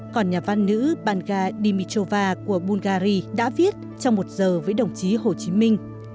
còn nhà văn nữ banga dimitrova của bulgari đã viết trong một giờ với đồng chí hồ chí minh